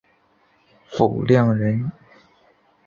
傅亮人。